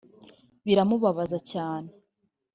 biramubabaza cyane